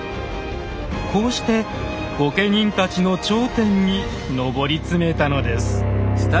こうして御家人たちの頂点に上り詰めたのです。